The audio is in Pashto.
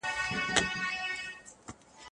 یو له بله یې کړل بيل نیژدې کورونه